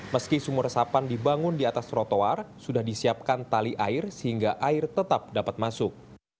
meski sumur resapan dibangun di atas trotoar sudah disiapkan tali air sehingga air tetap dapat masuk